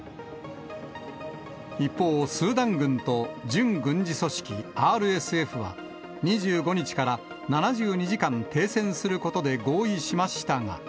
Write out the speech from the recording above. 一方、スーダン軍と準軍事組織、ＲＳＦは、２５日から７２時間停戦することで合意しましたが。